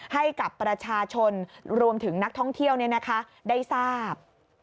ให้กับประชาชนรวมถึงนักท่องเที่ยวได้ทราบ